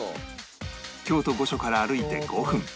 京都御所から歩いて５分